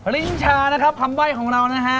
ลิ้นชานะครับคำใบ้ของเรานะฮะ